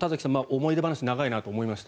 思い出話長いなと思いました。